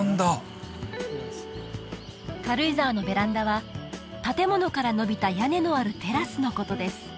軽井沢のベランダは建物から延びた屋根のあるテラスのことです